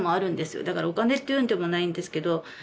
だからお金っていうのでもないんですけど。